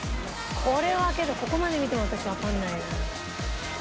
これはけどここまで見ても私わかんないよ。